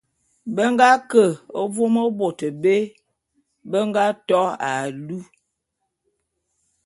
Be nga ke vôm bôt bé nga to alu.